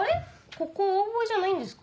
ここオーボエじゃないんですか？